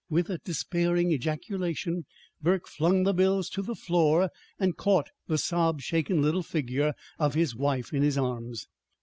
With a despairing ejaculation Burke flung the bills to the floor, and caught the sob shaken little figure of his wife in his arms.